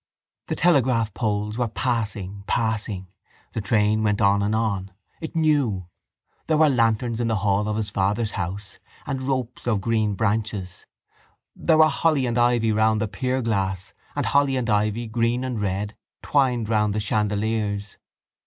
The telegraph poles were passing, passing. The train went on and on. It knew. There were lanterns in the hall of his father's house and ropes of green branches. There were holly and ivy round the pierglass and holly and ivy, green and red, twined round the chandeliers.